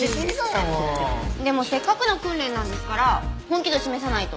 でもせっかくの訓練なんですから本気度示さないと。